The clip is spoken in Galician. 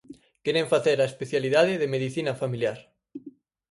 Queren facer a especialidade de Medicina Familiar.